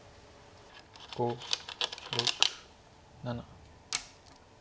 ５６７。